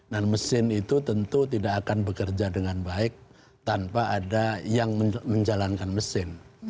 dan mesin itu tentu tidak akan bekerja dengan baik tanpa ada yang menjalankan mesin